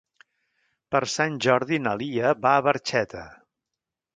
Per Sant Jordi na Lia va a Barxeta.